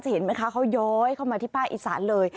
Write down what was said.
เห็นไหมคะเขาย้อยเข้ามาที่ภาคอีสานเลย